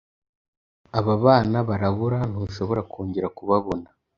aba bana barabura, ntushobora kongera kubabona